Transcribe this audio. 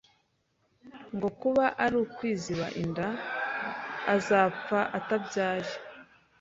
ngo kuba ari ukwiziba inda akazapfa atabyaye